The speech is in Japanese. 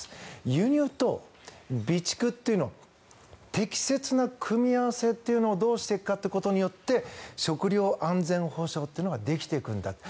輸入と備蓄というのは適切な組み合わせというのをどうしていくかということによって食料安全保障っていうのができていくんだと。